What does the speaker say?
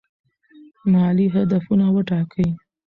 مالي هدفونه وټاکئ.